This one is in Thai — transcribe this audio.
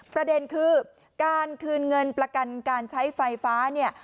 ประเด็นคือการคืนเงินประกันการใช้ไฟฟ้าเนี่ย